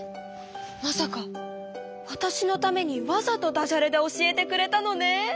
まさかわたしのためにわざとダジャレで教えてくれたのね！